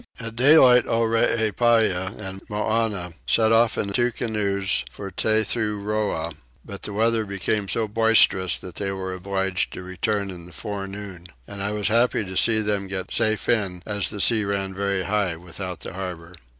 At daylight Oreepyah and Moannah set off in two canoes for Tethuroa, but the weather became so boisterous that they were obliged to return in the forenoon, and I was happy to see them get safe in as the sea ran very high without the harbour.